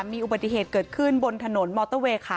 มีอุบัติเหตุเกิดขึ้นบนถนนมอเตอร์เวย์ค่ะ